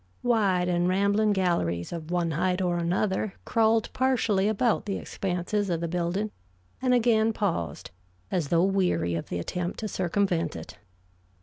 Wide and rambling galleries of one height or another crawled partially about the expanses of the building, and again paused, as though weary of the attempt to circumvent it.